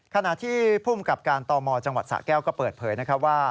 ขณะที่ผู้มีกับการต่อมอจังหวัดสะแก้วก็เปิดเผยว่า